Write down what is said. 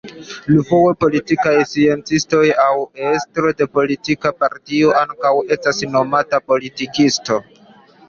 Iufoje politikaj sciencistoj aŭ estro de politika partio ankaŭ estas nomata politikistoj.